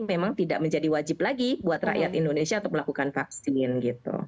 memang tidak menjadi wajib lagi buat rakyat indonesia untuk melakukan vaksin gitu